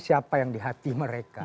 siapa yang di hati mereka